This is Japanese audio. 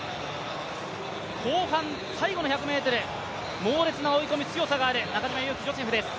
後半最後の１００ｍ猛烈な追い込み、強さがある中島佑気ジョセフです。